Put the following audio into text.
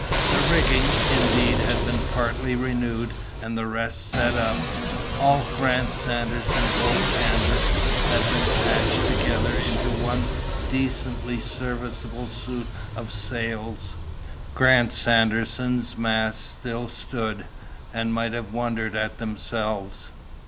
The rigging, indeed, had been partly renewed, and the rest set up; all Grant Sanderson's old canvas had been patched together into one decently serviceable suit of sails; Grant Sanderson's masts still stood, and might have wondered at themselves.